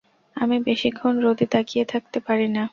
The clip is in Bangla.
আমি বেশিক্ষণ রোদে তাকিয়ে থাকতে পারি না।